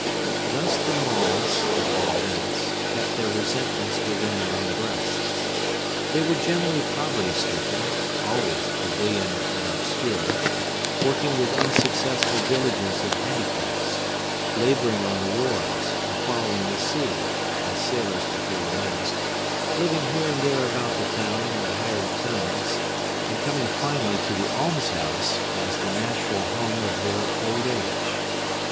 Thus the Maules, at all events, kept their resentments within their own breasts. They were generally poverty stricken; always plebeian and obscure; working with unsuccessful diligence at handicrafts; laboring on the wharves, or following the sea, as sailors before the mast; living here and there about the town, in hired tenements, and coming finally to the almshouse as the natural home of their old age.